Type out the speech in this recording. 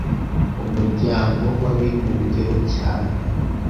Umuryango w’Abibumbye ho cyane